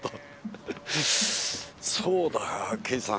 そうだ刑事さん。